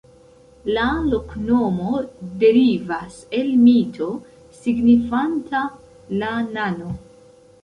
La loknomo derivas el mito signifanta "la nano".